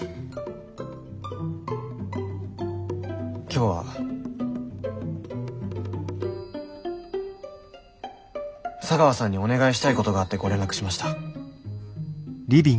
今日は茶川さんにお願いしたいことがあってご連絡しました。